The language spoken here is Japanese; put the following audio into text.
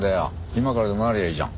今からでもなればいいじゃん。